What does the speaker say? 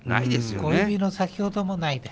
小指の先ほどもないです。